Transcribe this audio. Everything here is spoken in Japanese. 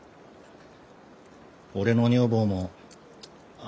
俺の女房もあっ